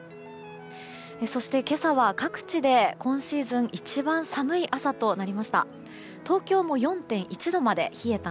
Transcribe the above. そして今朝は各地で今シーズン一番寒い朝となりました。